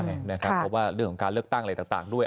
เพราะว่าเรื่องของการเลือกตั้งอะไรต่างด้วย